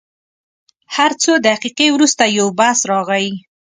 هر څو دقیقې وروسته یو بس راغی.